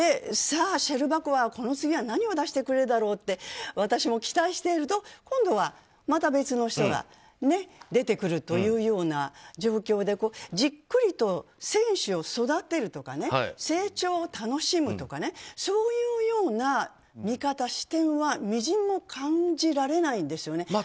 さあ、シェルバコワはこの次は何を出してくれるだろうと私も期待していると今度はまた別の人が出てくるというような状況でじっくりと選手を育てるとか成長を楽しむとかそういうような見方、視点はみじんも感じられないんですよね。